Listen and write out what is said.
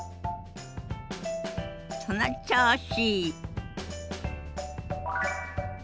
その調子！